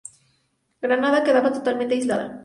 Granada quedaba totalmente aislada.